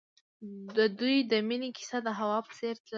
د دوی د مینې کیسه د هوا په څېر تلله.